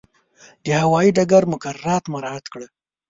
د هوایي ډګر مقررات مراعات کړه.